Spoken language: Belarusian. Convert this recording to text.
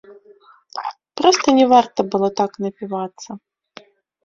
Проста не варта было так напівацца.